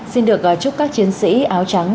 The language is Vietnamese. xin được chúc các chiến sĩ áo trắng